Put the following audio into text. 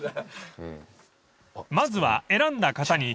［まずは選んだ型に］